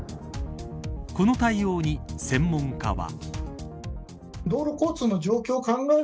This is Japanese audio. この対応に専門家は。